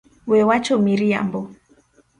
We wacho miriambo.